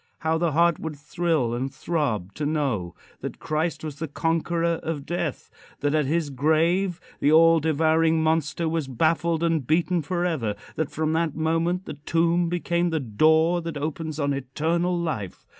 How the heart would thrill and throb to know that Christ was the conqueror of Death; that at his grave the all devouring monster was baffled and beaten forever; that from that moment the tomb became the door that opens on eternal life!